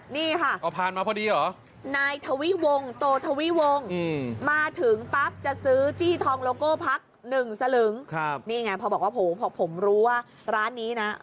นี่ค่ะนายทวิวงโตทวิวงมาถึงปั๊บจะซื้อจี้ทองโลโก้พัก๑สลึงพอบอกว่าผมรู้ว่าร้านนี้นะ